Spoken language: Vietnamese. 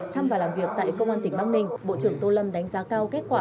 thăm và làm việc tại công an tỉnh bắc ninh bộ trưởng tô lâm đánh giá cao kết quả